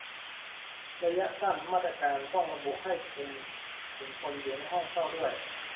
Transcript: ระยะสั้น มาตรการต้องระบุให้คลุมถึงคนอยู่ห้องเช่าด้วย